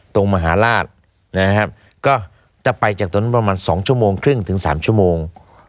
มหาราชนะครับก็จะไปจากตรงนั้นประมาณ๒ชั่วโมงครึ่งถึง๓ชั่วโมง